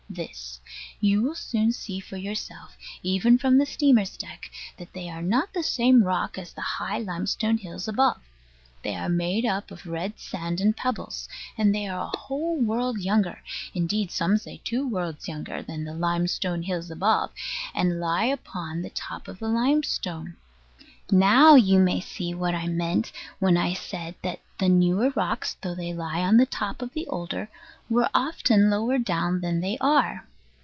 This. You will soon see for yourself, even from the steamer's deck, that they are not the same rock as the high limestone hills above. They are made up of red sand and pebbles; and they are a whole world younger, indeed some say two worlds younger, than the limestone hills above, and lie upon the top of the limestone. Now you may see what I meant when I said that the newer rocks, though they lie on the top of the older, were often lower down than they are.